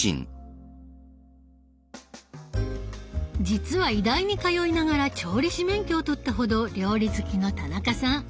実は医大に通いながら調理師免許を取ったほど料理好きの田中さん。